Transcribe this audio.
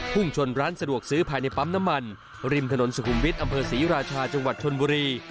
พุ่งชนร้านสะดวกซื้อภายในปั๊มน้ำมันริมถนนสุขุมวิทย์อำเภอศรีราชาจังหวัดชนบุรี